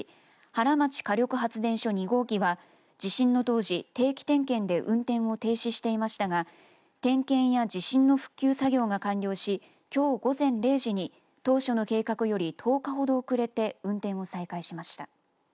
原町火力発電所２号機は地震の当時、定期点検で運転を停止していましたが点検や地震の復旧作業が完了しきょう午前０時に当初の計画より１０日ほど遅れて運転を再開しました。